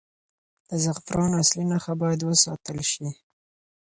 د زعفرانو اصلي نښه باید وساتل شي.